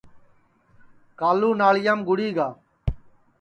کالو ناݪیام گُڑی گا